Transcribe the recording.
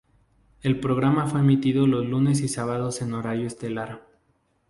El programa fue emitido los lunes y sábados en horario estelar.